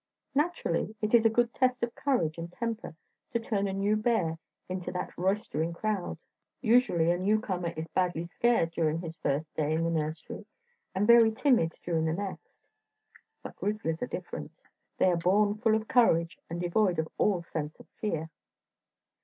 Naturally, it is a good test of courage and temper to turn a new bear into that roystering crowd. Usually a newcomer is badly scared during his first day in the Nursery, and very timid during the next. But grizzlies are different. They are born full of courage and devoid of all sense of fear.